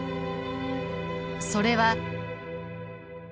それは。